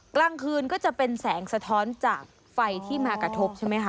กลางคืนก็จะเป็นแสงสะท้อนจากไฟที่มากระทบใช่ไหมคะ